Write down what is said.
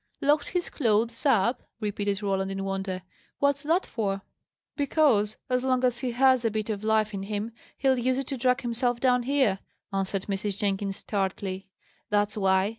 "Locked his clothes up!" repeated Roland, in wonder. "What's that for?" "Because, as long as he has a bit of life in him, he'll use it to drag himself down here," answered Mrs. Jenkins, tartly. "That's why.